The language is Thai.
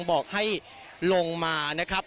บอกให้ลงมานะครับ